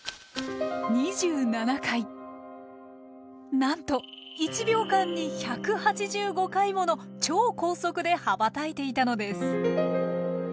なんと１秒間に１８５回もの超高速で羽ばたいていたのです。